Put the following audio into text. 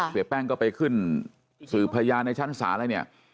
เสียแป้งก็ไปขึ้นสื่อพยานในชั้นศาลอะไรเนี่ย